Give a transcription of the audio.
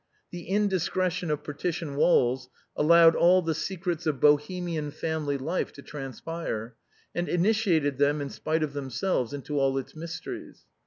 The indiscretion of partition walls allowed all the secrets of Bohemian family life to transpire, and in itiated them, in spite of themselves, into all its mysteries.